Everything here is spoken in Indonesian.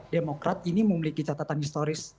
demokrat ini memiliki catatan historis